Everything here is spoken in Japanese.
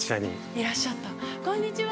◆いらっしゃった、こんにちは。